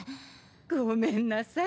ごめんなさい。